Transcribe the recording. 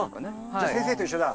じゃあ先生と一緒だ。